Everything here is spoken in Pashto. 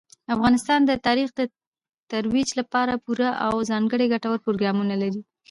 افغانستان د تاریخ د ترویج لپاره پوره او ځانګړي ګټور پروګرامونه لري.